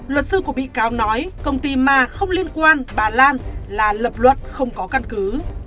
luật sư của bị cáo nói công ty mà không liên quan bà lan là lập luận không có căn cứ